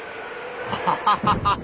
アハハハ！